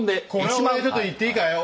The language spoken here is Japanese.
これは俺ちょっと言っていいかい？